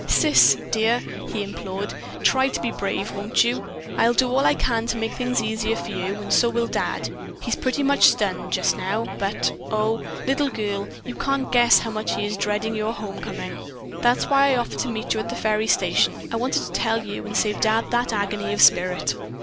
"Sis, dear," he implored, "try to be brave, won't you? I'll do all I can to make things easier for you, and so will Dad. He's pretty much stunned, just now, but, oh, little girl, you can't guess how he is dreading your homecoming. That's why I offered to meet you at the ferry station. I wanted to tell you and save Dad that agony of spirit.